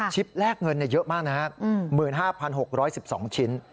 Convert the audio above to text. ชิปแรกเงินเยอะมาก๑๕๖๑๒ชิ้น